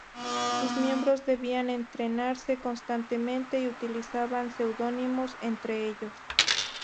Sus miembros debían entrenarse constantemente y utilizaban seudónimos entre ellos.